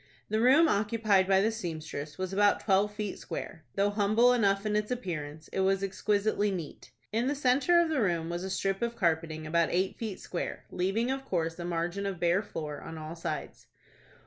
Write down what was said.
The room occupied by the seamstress was about twelve feet square. Though humble enough in its appearance, it was exquisitely neat. In the centre of the floor was a strip of carpeting about eight feet square, leaving, of course, a margin of bare floor on all sides.